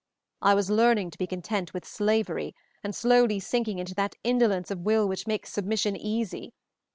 I was learning to be content with slavery, and slowly sinking into that indolence of will which makes submission easy.